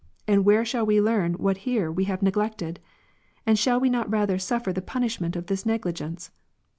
and where shall we learn what here we have neglected ? and shall we not rather suffer the punishment of this negligence